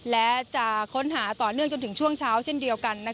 และจะค้นหาต่อเนื่องจนถึงช่วงเช้าเช่นเดียวกัน